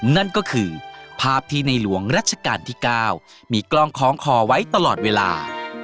นั่นก็คือภาพที่ในหลวงรัชกาลที่๙มีกล้องคล้องคอไว้ตลอดเวลา